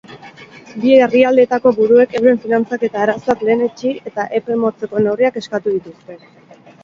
Bi herrialdeetako buruek euren finantzaketa arazoak lehenetsi eta epe motzeko neurriak eskatu dituzte.